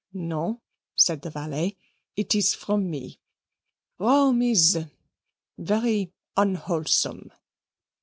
"No," said the valet; "it is from me. Rome is very unwholesome."